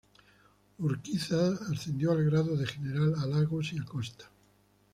Urquiza ascendió al grado de general a Lagos y a Costa.